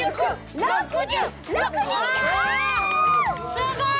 すごい！